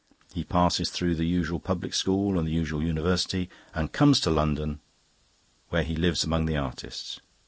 He passes through the usual public school and the usual university and comes to London, where he lives among the artists.